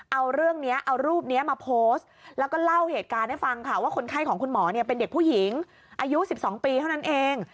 เอาเรื่องนี้เอารูปนี้มาโพสต์แล้วก็เล่าเหตุการณ์ให้ฟังค่ะว่าคนไข้ของคุณหมอเป็นเด็กผู้หญิงอายุ๑๒ปีเท่านั้นเอง